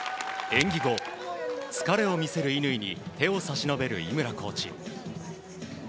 演技後、疲れを見せる乾に手を差し伸べる井村コーチ。